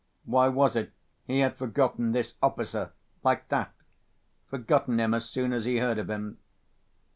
Why was it he had forgotten this officer, like that, forgotten him as soon as he heard of him?